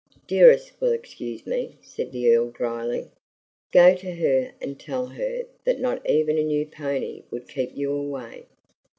"'Dearest' will excuse me," said the Earl dryly. "Go to her and tell her that not even a new pony would keep you away."